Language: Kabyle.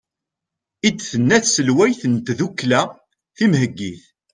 i d-tenna tselwayt n tddukkla timheggit